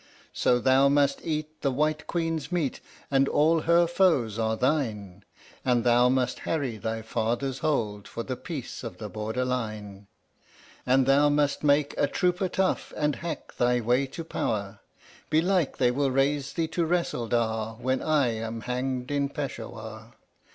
"So, thou must eat the White Queen's meat, and all her foes are thine, And thou must harry thy father's hold for the peace of the Border line, And thou must make a trooper tough and hack thy way to power Belike they will raise thee to Ressaldar when I am hanged in Peshawur."